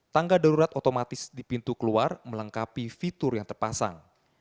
tangga darurat otomatis di pintu keluar melengkapi fitur yang terpasang